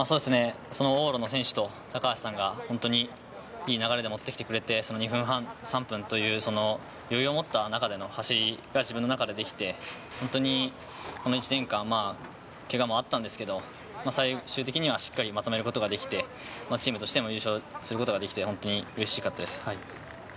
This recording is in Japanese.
往路の選手と高橋さんが本当にいい流れで持ってきてくれて、２分半、３分という余裕をもった中での走りができて、本当にこの１年間、けがもあったんですけれど、最終的にしっかりまとめることができて、チームとして優勝することができて本当に嬉しいです。